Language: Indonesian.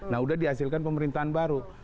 nah udah dihasilkan pemerintahan baru